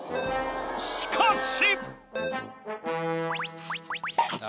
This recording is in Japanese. ［しかし！］